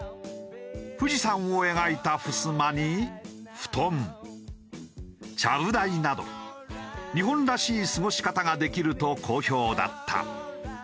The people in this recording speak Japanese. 富士山を描いたふすまに布団ちゃぶ台など日本らしい過ごし方ができると好評だった。